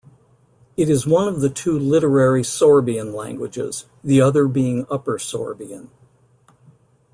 It is one of the two literary Sorbian languages, the other being Upper Sorbian.